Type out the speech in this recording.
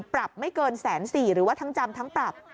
ปรับไม่เกิน๑๔๐๐๐หรือว่าทั้งจำทั้งปรับ